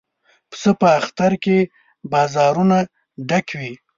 پسه په اختر کې بازارونه ډکوي.